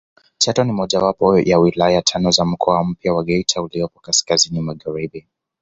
Chato ni mojawapo ya wilaya tano za mkoa mpya wa Geita uliopo kaskazini magharibi